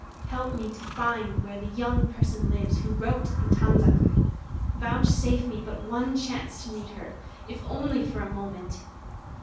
help me to find where the young person lives who wrote the tanzaku! vouchsafe me but one chance to meet her, even if only for a moment!"